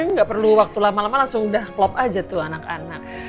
nggak perlu waktu lama lama langsung udah klop aja tuh anak anak